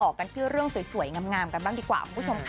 ออกกันเพื่อเรื่องสวยงามกันบ้างดีกว่า